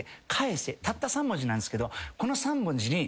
たった３文字なんすけど。